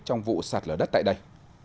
trong vụ sạt lở đất tại đây